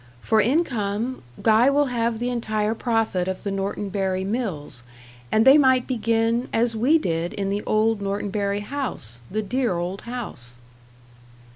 For income Guy will have the entire profit of the Norton Bury mills; and they might begin, as we did, in the old Norton Bury house the dear old house."